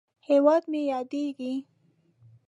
هیواد مې ياديږي